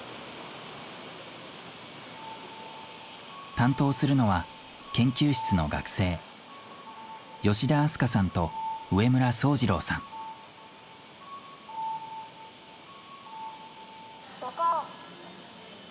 担当するのは研究室の学生もこ。